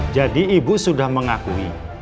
jadi ibu sudah mengakui